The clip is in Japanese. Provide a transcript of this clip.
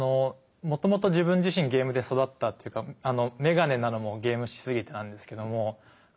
もともと自分自身ゲームで育ったっていうか眼鏡なのもゲームしすぎてなんですけども。